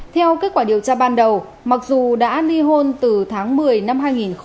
theo kết quả điều tra ban đầu mặc dù đã ly hôn từ tháng một mươi năm hai nghìn một mươi bảy